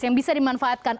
yang bisa dimanfaatkan